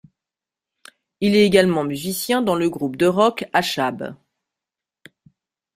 Il est également musicien, dans le groupe de rock Achab.